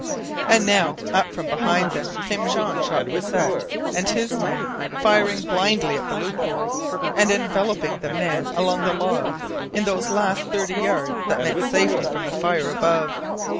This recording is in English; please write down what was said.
And now up from behind them came Jean Jacques Croisset and his men, firing blindly at the loopholes, and enveloping the men along the log in those last thirty yards that meant safety from the fire above.